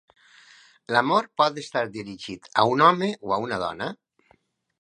L'amor pot estar dirigit a un home o a una dona.